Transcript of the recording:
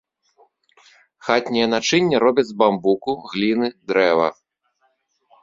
Хатняе начынне робяць з бамбуку, гліны, дрэва.